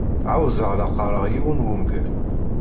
Ɛawzeɣ la qqareɣ yiwen n wungal.